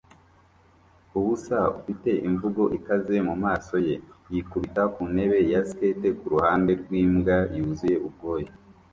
ubusa ufite imvugo ikaze mumaso ye yikubita kuntebe ya skate kuruhande rwimbwa yuzuye ubwoya